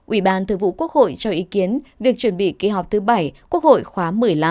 ủy ban thường vụ quốc hội cho ý kiến việc chuẩn bị kỳ họp thứ bảy quốc hội khóa một mươi năm